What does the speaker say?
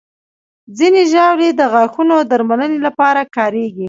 ځینې ژاولې د غاښونو درملنې لپاره کارېږي.